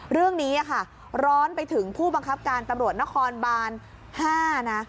เรื่องนี้ค่ะร้อนไปถึงผู้บังคับการตำรวจนครบาน๕นะ